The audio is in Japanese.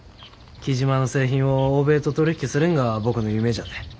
雉真の製品を欧米と取り引きするんが僕の夢じゃて。